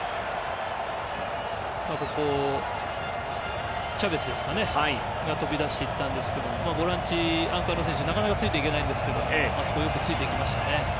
ここ、チャベスが飛び出していきましたがボランチ、アンカーの選手がなかなかついていけませんがあそこ、よくついていきました。